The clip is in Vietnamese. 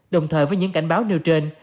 đồng thời với những cảnh báo nêu trên